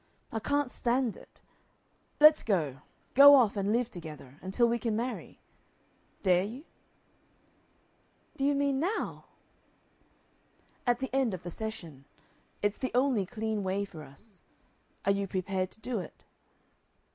I can't stand it. Let's go. Go off and live together until we can marry. Dare you?" "Do you mean NOW?" "At the end of the session. It's the only clean way for us. Are you prepared to do it?"